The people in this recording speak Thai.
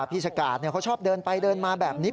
พี่ชะกาดเขาชอบเดินไปเดินมาแบบนี้